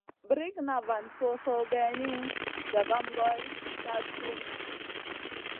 Brikŋa van so-soh geyni, jagam goy kay tuhmu.